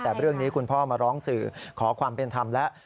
แต่เรื่องนี้คุณพ่อมาร้องสื่อขอความเป็นธรรมแล้ว